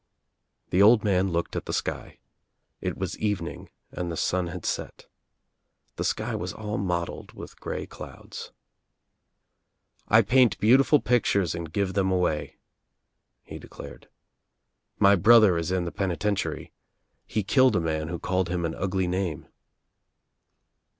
The old man looked at the sky. It was evening and the sun had set. The sky was all mottled with grey clouds. "I paint beautiful pictures and give them away," he declared. "My brother is in the peniten tiary. He killed srman who called him an ugly name."